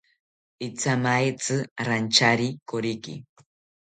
Ithamaetzi rantyari koriki